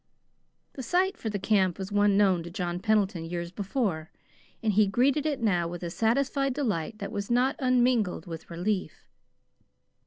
The site for the camp was one known to John Pendleton years before, and he greeted it now with a satisfied delight that was not unmingled with relief.